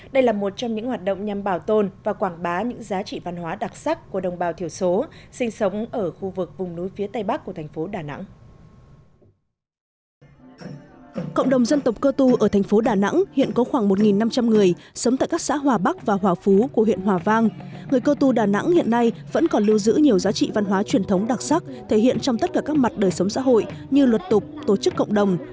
đây là một trong những hoạt động nhằm bảo tồn và quảng bá những giá trị văn hóa đặc sắc của đồng bào thiểu số